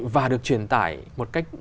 và được truyền tải một cách